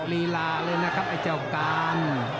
ออกฤมูลออกฤลาเลยนะครับไอ้เจ้าการ์น